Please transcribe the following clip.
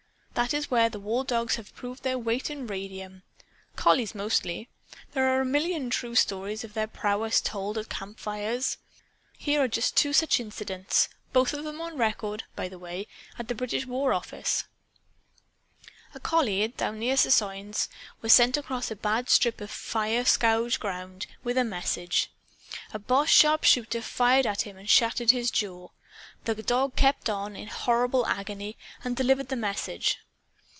That is where is the war dogs have proved their weight in radium. Collies, mostly. There are a million true stories of their prowess told, at camp fires. Here are just two such incidents both of them on record, by the way, at the British War Office "A collie, down near Soissons, was sent across a bad strip of fire scourged ground, with a message. A boche sharpshooter fired at him and shattered his jaw. The dog kept on, in horrible agony, and delivered the message.